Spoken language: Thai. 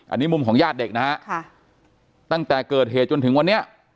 อันนี้มุมของญาติเด็กนะฮะค่ะตั้งแต่เกิดเหตุจนถึงวันนี้